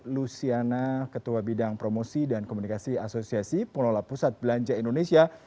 luciana ketua bidang promosi dan komunikasi asosiasi pengelola pusat belanja indonesia